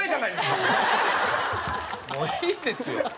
もういいですよ。